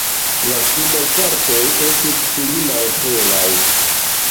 La subaj partoj estas pli malhelaj.